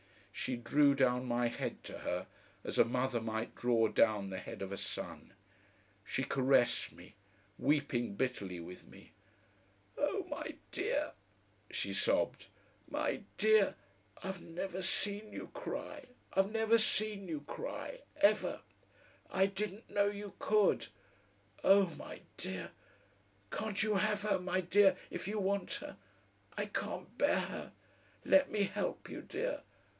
She drew down my head to her as a mother might draw down the head of a son. She caressed me, weeping bitterly with me. "Oh! my dear," she sobbed, "my dear! I've never seen you cry! I've never seen you cry. Ever! I didn't know you could. Oh! my dear! Can't you have her, my dear, if you want her? I can't bear it! Let me help you, dear.